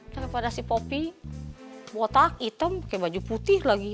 daripada si popi botak item pake baju putih lagi